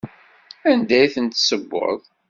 Anda i ten-tessewweḍ?